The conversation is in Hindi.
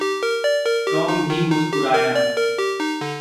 टॉम भी मुस्कुराया।